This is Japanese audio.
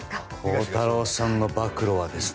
鋼太郎さんの暴露はですね。